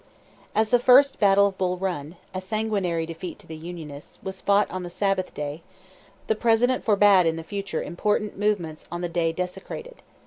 As the first Battle of Bull Run, a sanguinary defeat to the Unionists, was fought on the Sabbath day, the President forbade in the future important movements on the day desecrated.